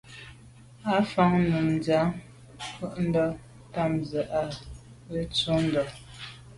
Á fáŋ nùm dìǎŋ ncúndá támzə̄ à ŋgə̂ sû ŋgə́tú’.